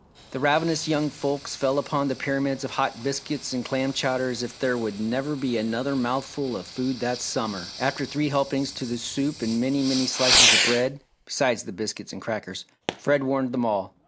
The ravenous young folks fell upon the pyramids of hot biscuits and clam chowder as if there would never be another mouthful of food that summer. After three helpings to the soup and many, many slices of bread, besides the biscuits and crackers, Fred warned them all.